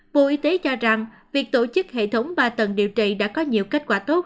bộ y tế cho rằng việc tổ chức hệ thống ba tầng điều trị đã có nhiều kết quả tốt